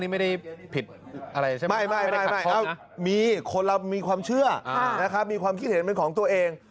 ไม่มีคนเรามีความเชื่อมีความคิดเห็นเป็นของตัวเอง